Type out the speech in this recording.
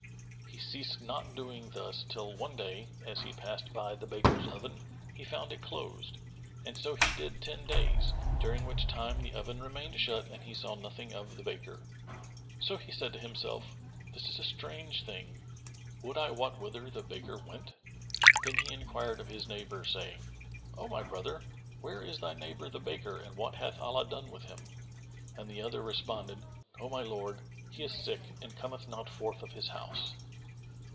He ceased not doing thus till one day, as he passed by the baker's oven, he found it closed; and so he did ten days, during which time the oven remained shut and he saw nothing of the baker. So he said to himself, "This is a strange thing! Would I wot whither the baker went!" Then he enquired of his neighbour, saying, "O my brother, where is thy neighbour the baker and what hath Allah done with him?"; and the other responded, "O my lord, he is sick and cometh not forth of his house."